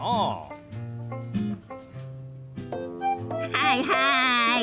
はいはい！